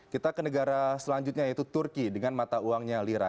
kita ke negara selanjutnya yaitu turki dengan mata uangnya lira